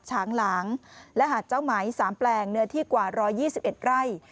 ฉางหลางและหาดเจ้าไหม๓แปลงเนื้อที่กว่า๑๒๑ไร่